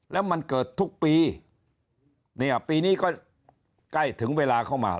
แล้วมันเกิดทุกปีเนี่ยปีนี้ก็ใกล้ถึงเวลาเข้ามา